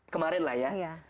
kemarin lah ya